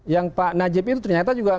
yang pak najib itu ternyata juga